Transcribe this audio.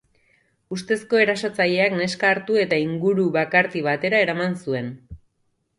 Ustezko erasotzaileak neska hartu eta inguru bakarti batera eraman zuen.